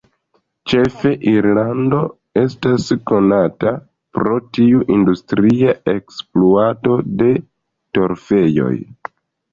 Ĉefe Irlando estas konata pro tiu industria ekspluato de torfejoj.